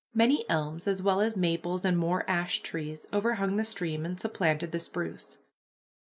Many elms as well as maples and more ash trees overhung the stream and supplanted the spruce.